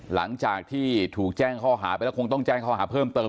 หลังจากที่ถูกแจ้งข้อหาไปแล้วคงต้องแจ้งข้อหาเพิ่มเติม